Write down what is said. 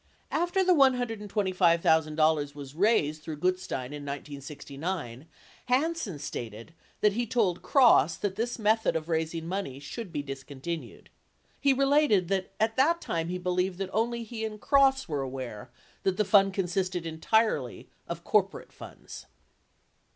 After the $125,000 was raised through Gutstein in 1969, Hansen stated that he told Cross that this method of raising money should be discontinued. He related that at that time he believed that only he and Cross were aware that the fund consisted entirely of corporate funds.